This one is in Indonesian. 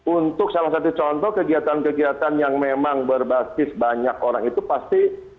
untuk salah satu contoh kegiatan kegiatan yang memang berbasis banyak orang itu pasti